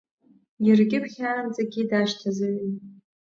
Иркьыԥхьаанӡагьы дашьҭазаҩын.